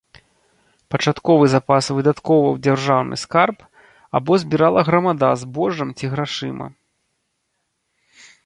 Пачатковы запас выдаткоўваў дзяржаўны скарб або збірала грамада збожжам ці грашыма.